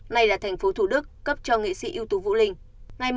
nay là thành phố thủ đức cấp cho nghệ sĩ ưu tú vũ linh